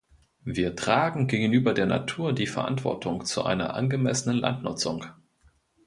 Wir tragen gegenüber der Natur die Verantwortung zu einer angemessenen Landnutzung.